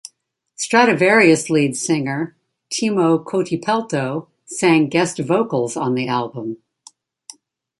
Stratovarius lead singer Timo Kotipelto sang guest vocals on the album.